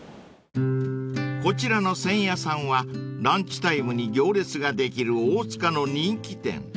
［こちらのせんやさんはランチタイムに行列ができる大塚の人気店］